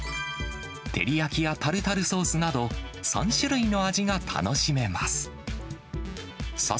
てりやきやタルタルソースなど、３種類の味が楽しめます。